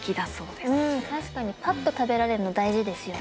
確かにぱっと食べられるの大事ですよね。